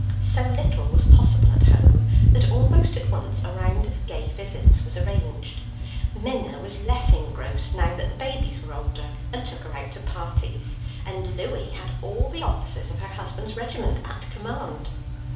So little was possible at home that almost at once a round of gay visits was arranged. Minna was less engrossed now that the babies were older, and took her out to parties; and Louie had all the officers of her husband's regiment at command.